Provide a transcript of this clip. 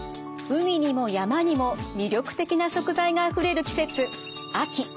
海にも山にも魅力的な食材があふれる季節秋。